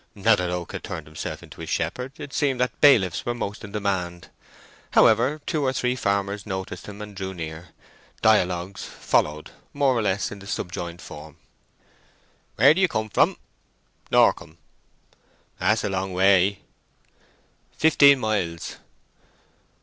Now that Oak had turned himself into a shepherd, it seemed that bailiffs were most in demand. However, two or three farmers noticed him and drew near. Dialogues followed, more or less in the subjoined form:— "Where do you come from?" "Norcombe." "That's a long way. "Fifteen miles."